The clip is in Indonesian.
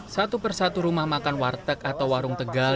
satu persatu rumah makan warteg atau warung tegal